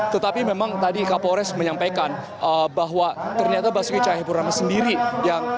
tetapi memang tadi kapolres menyampaikan bahwa ternyata basuki cahaya purnama sendiri yang menemukan